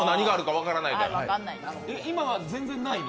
今は全然ないの？